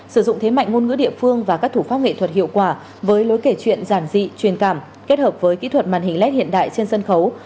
sử dụng thế mạnh ngôn ngữ địa phương và các thủ pháp nghệ thuật hiệu quả với lối kể chuyện giản dị truyền cảm kết hợp với kỹ thuật màn hình led hiện đại trên sân khấu